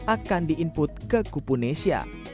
akan di input ke kupunesia